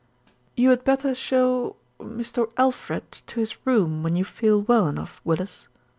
"You had better show Mr. Alfred to his room when you feel well enough, Willis."